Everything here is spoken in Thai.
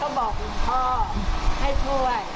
เขาบอกหลวงพ่อให้ช่วย